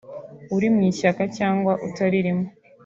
uri mu ishyaka cyangwa utarimo